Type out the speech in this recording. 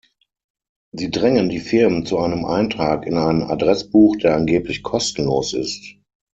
Sie drängen die Firmen zu einem Eintrag in ein Adressbuch, der angeblich kostenlos ist.